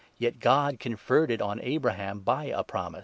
Yet God conferred it on Abraham by a promise.